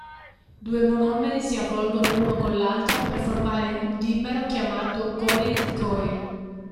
Due monomeri si avvolgono uno con l'altro per formare un dimero chiamato coiled-coil.